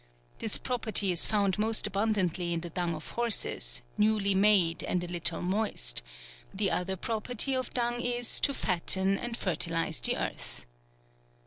This property is found most abundantly in the dung of horses, newly made, and a little moist ; the other property of dung is, to fatten and fertilize the earth.